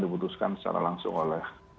dibutuhkan secara langsung oleh